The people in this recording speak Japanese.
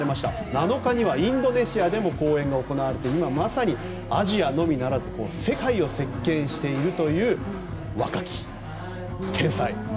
７日にはインドネシアでも公演が行われて今、まさにアジアのみならず世界を席巻しているという若き天才。